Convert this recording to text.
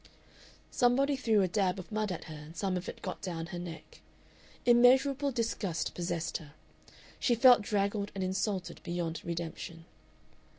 Somebody threw a dab of mud at her, and some of it got down her neck. Immeasurable disgust possessed her. She felt draggled and insulted beyond redemption.